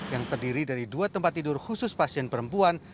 yang terdiri dari dua tempat tidur khusus pasien perempuan